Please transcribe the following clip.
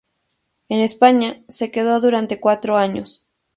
En España, se quedó durante cuatro años.